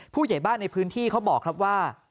ผู้ใหญ่บ้านในพื้นที่เขาบอกครับว่า